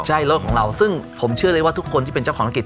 ใช่รถของเราซึ่งผมเชื่อเลยว่าทุกคนที่เป็นเจ้าของธุรกิจ